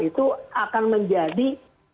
itu akan menjadi